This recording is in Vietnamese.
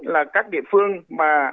là các địa phương mà